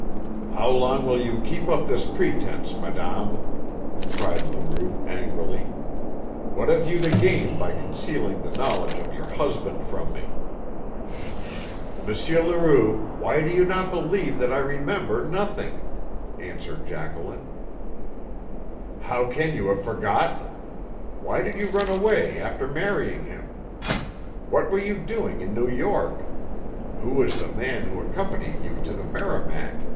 "How long will you keep up this pretense, madame?" cried Leroux angrily. "What have you to gain by concealing the knowledge of your husband from me?" "M. Leroux, why will you not believe that I remember nothing?" answered Jacqueline. "How can you have forgotten? Why did you run away after marrying him? What were you doing in New York? Who was the man who accompanied you to the Merrimac?"